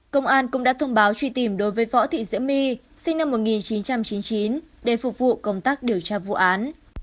công an cũng đã thông báo truy tìm đối với võ thị diễm my để phục vụ công tác điều tra vụ án